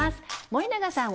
森永さん